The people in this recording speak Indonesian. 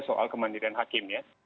soal kemandirian hakim ya